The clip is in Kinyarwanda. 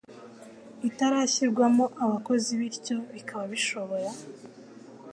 itarashyirwamo abakozi bityo bikaba bishobora